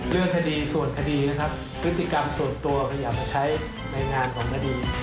เรื่องคดีส่วนคดีนะครับพฤติกรรมส่วนตัวพยายามจะใช้ในงานของคดี